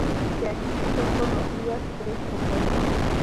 De aquí son conocidas tres propuestas.